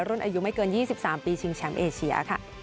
รุ่นอายุไม่เกินยี่สิบสามปีชิงแชมป์เอเชีย